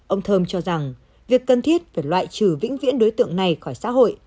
ông thơm cho rằng việc cần thiết phải loại trừ vĩnh viễn đối tượng này khỏi xã hội